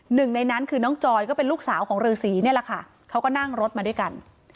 หนึ่งในนั้นคือน้องจอยก็เป็นลูกสาวของฤษีนี่แหละค่ะเขาก็นั่งรถมาด้วยกัน